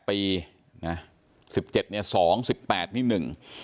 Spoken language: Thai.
๑๗ปี๒ปี๑๘ปีนิดหนึ่ง